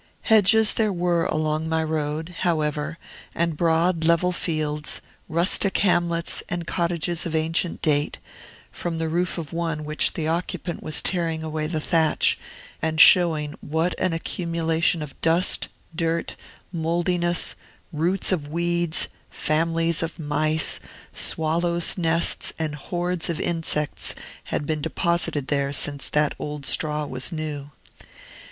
Hedges there were along my road, however, and broad, level fields, rustic hamlets, and cottages of ancient date, from the roof of one of which the occupant was tearing away the thatch, and showing what an accumulation of dust, dirt, mouldiness, roots of weeds, families of mice, swallows' nests, and hordes of insects had been deposited there since that old straw was new.